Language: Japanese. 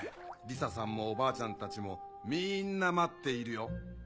リサさんもおばあちゃんたちもみんな待っているよ。